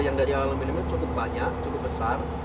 yang dari lalaminium ini cukup banyak cukup besar